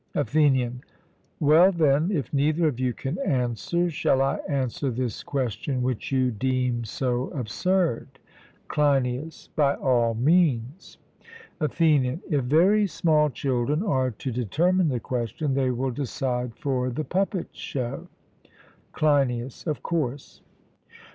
ATHENIAN: Well, then, if neither of you can answer, shall I answer this question which you deem so absurd? CLEINIAS: By all means. ATHENIAN: If very small children are to determine the question, they will decide for the puppet show. CLEINIAS: Of course.